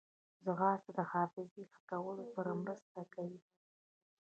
ځغاسته د حافظې ښه کولو سره مرسته کوي